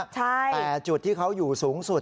แต่จุดที่เค้าอยู่สูงสุดเนี่ย